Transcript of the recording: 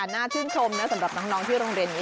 น่าชื่นชมนะสำหรับน้องที่โรงเรียนนี้